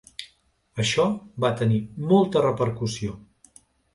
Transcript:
Això va tenir molta repercussió.